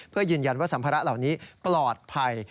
เพื่อยืนยันว่าสัมภาระเหล่านี้ปลอดภัย